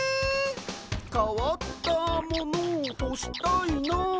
「かわったものをほしたいな」